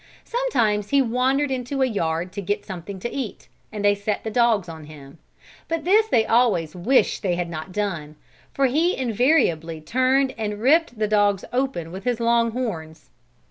Some times he wandered into a yard to get something to eat, and they set the dogs on him, but this they always wished they had not done, for he invariably turned and ripped the dogs open with his long horns.